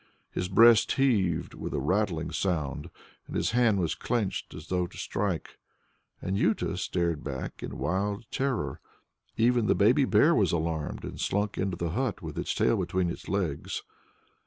His breast heaved with a rattling sound, and his hand was clenched as though to strike. Anjuta started back in wild terror; even the baby bear was alarmed and slunk into the hut with its tail between its legs.